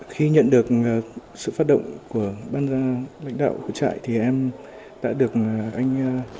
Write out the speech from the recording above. khi nhận được sự phát động của ban lãnh đạo của trại thì em đã được anh